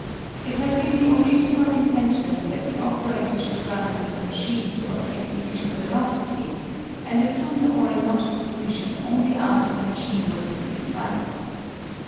It had been the original intention that the operator should run with the machine to obtain initial velocity, and assume the horizontal position only after the machine was in free flight.